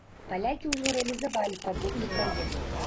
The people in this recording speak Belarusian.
Палякі ўжо рэалізавалі падобны праект.